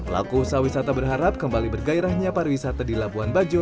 laku usaha wisata berharap kembali bergairahnya pariwisata di labuan bajo